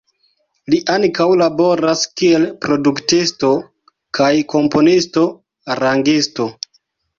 Li ankaŭ laboras kiel produktisto kaj komponisto-arangisto.